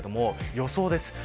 予想です。